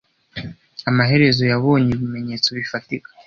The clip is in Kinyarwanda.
Amaherezo yabonye ibimenyetso bifatika